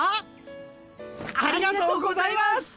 ありがとうございます！